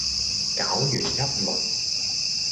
攪完一輪